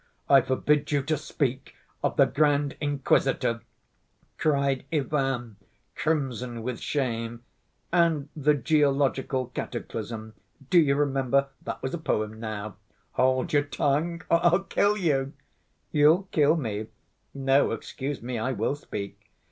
"I forbid you to speak of The Grand Inquisitor," cried Ivan, crimson with shame. "And the Geological Cataclysm. Do you remember? That was a poem, now!" "Hold your tongue, or I'll kill you!" "You'll kill me? No, excuse me, I will speak.